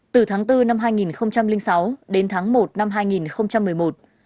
từ tháng bốn năm hai nghìn sáu đến tháng một năm hai nghìn một mươi một